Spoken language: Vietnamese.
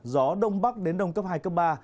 gió đông bắc đến đông cấp hai cấp ba